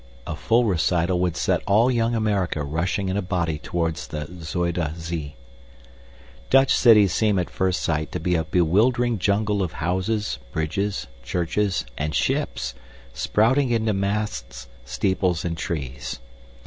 A full recital would set all young America rushing in a body toward the Zuider Zee. Dutch cities seem at first sight to be a bewildering jungle of houses, bridges, churches, and ships, sprouting into masts, steeples, and trees.